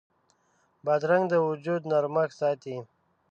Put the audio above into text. بادرنګ د وجود نرمښت ساتي.